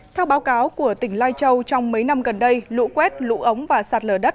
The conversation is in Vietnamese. theo báo cáo của tỉnh lai châu trong mấy năm gần đây lũ quét lũ ống và sạt lở đất